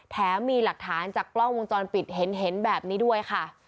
แถมมีหลักฐานจากกล้องวงจรปิดเห็นแบบนี้ด้วยค่ะ